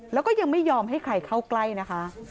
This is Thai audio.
แล้วก็ยังไม่ยอมให้ใครเข้าใกล้นะคะ